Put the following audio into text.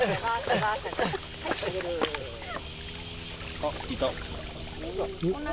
あっ、いた。